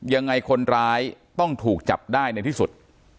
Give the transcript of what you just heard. ยังไงคนร้ายต้องถูกจับได้ในที่สุด